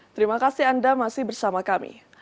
terima kasih anda masih bersama kami